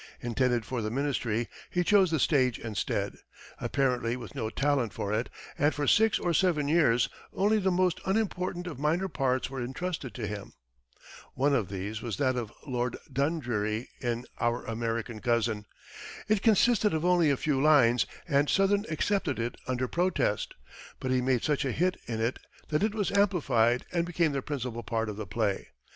Intended for the ministry, he chose the stage instead, apparently with no talent for it, and for six or seven years, only the most unimportant of minor parts were entrusted to him. One of these was that of Lord Dundreary in "Our American Cousin." It consisted of only a few lines and Sothern accepted it under protest, but he made such a hit in it that it was amplified and became the principal part of the play.